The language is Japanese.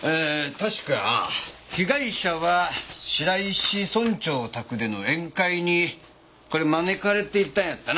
確か被害者は白石村長宅での宴会にこれ招かれていたんやったな？